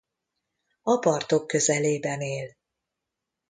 A partok közelében él.